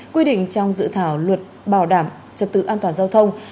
quy định trong dự thảo luật bảo đảm trật tự an toàn giao thông